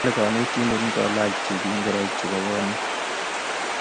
Kile konetindet ngolaach tibiik ngoroik chebo gonyit